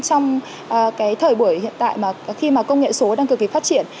trong cái thời buổi hiện tại mà khi mà công nghệ số đang cực kỳ phát triển